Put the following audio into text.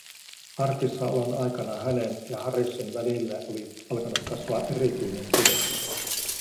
Arkissa olon aikana hänen ja Harishin välille oli alkanut kasvaa erityinen side.